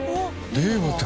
令和って。